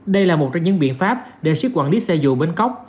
đây là một trong những biện pháp để xếp quản lý xe dụ bến cóc